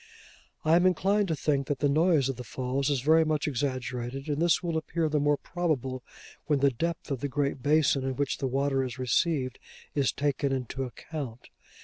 I am inclined to think that the noise of the Falls is very much exaggerated; and this will appear the more probable when the depth of the great basin in which the water is received, is taken into account.